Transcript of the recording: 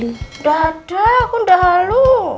udah ada aku udah halu